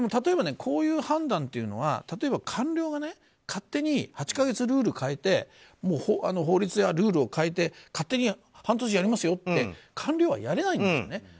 こういう判断というのは例えば官僚が勝手に８か月ルールを変えて法律やルールを変えて勝手に半年でやりますよって官僚はやれないですよね。